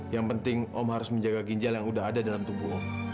yang penting om harus menjaga ginjal yang udah ada dalam tubuh om